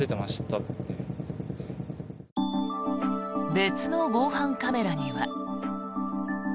別の防犯カメラには。